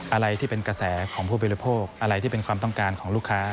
อะไรที่เป็นกระแสของผู้บริโภคอะไรที่เป็นความต้องการของลูกค้า